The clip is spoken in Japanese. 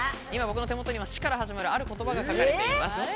今、僕の手元には「シ」から始まる言葉が書かれています。